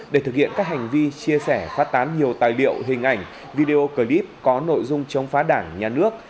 để thực hiện các hành vi chia sẻ phát tán nhiều tài liệu hình ảnh video clip có nội dung chống phá đảng nhà nước